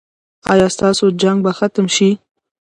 ایا ستاسو جنګ به ختم شي؟